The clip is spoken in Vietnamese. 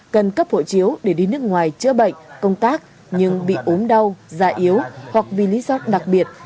cần cấp hộ chiếu để đi nước ngoài chữa bệnh công tác nhưng bị ốm đau da yếu hoặc vì lý do đặc biệt